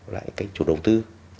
lại cái chủ đầu tư